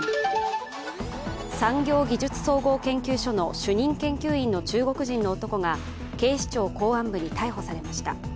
産業技術総合研究所の主任研究員の男が警視庁公安部に逮捕されました。